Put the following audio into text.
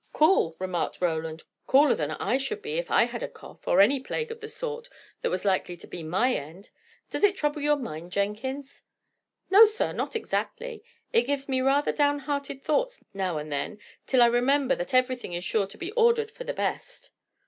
"Cool!" remarked Roland. "Cooler than I should be, if I had a cough, or any plague of the sort, that was likely to be my end. Does it trouble your mind, Jenkins?" "No, sir, not exactly. It gives me rather down hearted thoughts now and then, till I remember that everything is sure to be ordered for the best."